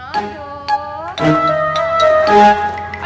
aduh udah udah